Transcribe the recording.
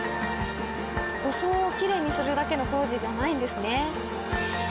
装をきれいにするだけの工事じゃないんですね。